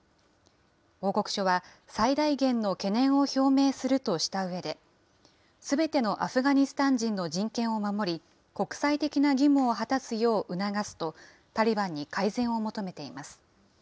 報告書は最大限の懸念を表明するとしたうえで、すべてのアフガニスタン人の人権を守り、国際的な義務を果たすよう促すと、タリバンに改善を求めています。